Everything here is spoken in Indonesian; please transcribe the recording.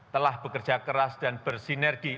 telah bekerja keras dan bersinergi